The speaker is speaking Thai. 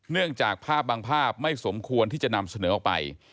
เนื่องจากภาพบางภาพไม่สมควรที่จะนำเสนอออกไป